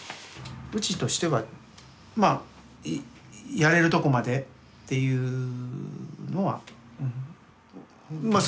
うちとしてはまあやれるとこまでっていうのはうんまあ